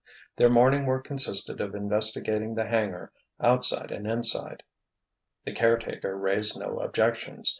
Their morning work consisted of investigating the hangar, outside and inside. The caretaker raised no objections.